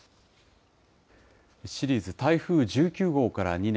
シリーズ、台風１９号から２年。